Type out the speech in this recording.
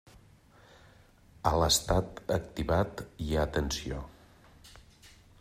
A l'estat activat, hi ha tensió.